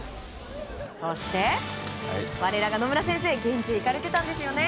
そして、我らが野村先生現地へ行かれてたんですよね？